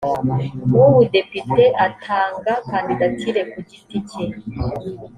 w ubudepite atanga kandidatire ku giti cye